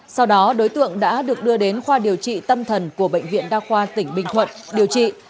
sau đó đối tượng đã được đưa đến khoa điều trị tâm thần của bệnh viện đa khoa tỉnh bình thuận điều trị